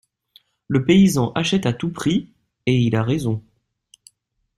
Le paysan achète à tout prix, et il a raison.